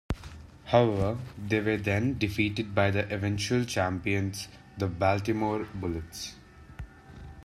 However, they were then defeated by the eventual champions, the Baltimore Bullets.